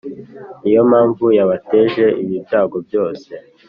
Ni yo mpamvu yabateje ibi byago byose